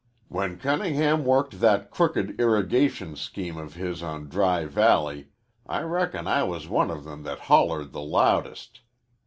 "When Cunningham worked that crooked irrigation scheme of his on Dry Valley, I reckon I was one of them that hollered the loudest.